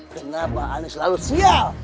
kenapa anis selalu sial